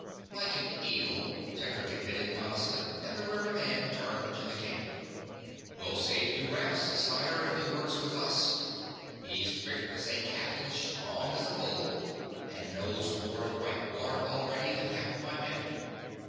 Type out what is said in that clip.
"Like an eel," Tedric admitted modestly, and the riverman turned to the king. "'Twill save you rafts, sire, if he works with us. He's quick as a cat and strong as a bull, and knows more of white water already than half my men."